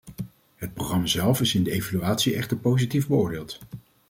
Het programma zelf is in de evaluatie echter positief beoordeeld.